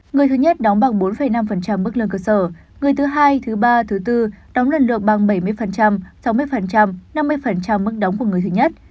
người thứ nhất đóng bằng bốn năm mức lương cơ sở người thứ hai thứ ba thứ bốn đóng lần lượt bằng bảy mươi sáu mươi năm mươi mức đóng của người duy nhất